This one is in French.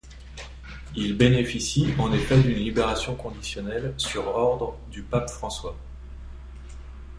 Il bénéficie en effet d'une libération conditionnelle sur ordre du pape François.